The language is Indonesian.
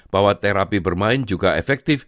bahwa terapi bermain juga efektif